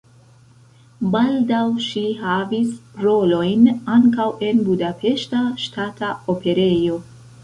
Baldaŭ ŝi havis rolojn ankaŭ en Budapeŝta Ŝtata Operejo.